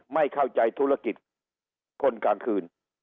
ไม่เข้าใจธุรกิจคนกลางคืน